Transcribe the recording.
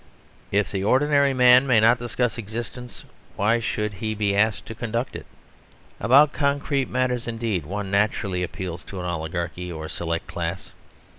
If the ordinary man may not discuss existence, why should he be asked to conduct it? About concrete matters indeed one naturally appeals to an oligarchy or select class.